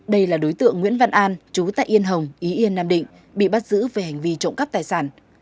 đây là đối tượng nguyễn văn an chú tại yên hồng ý yên nam định bị bắt giữ về hành vi trộm cắp tài sản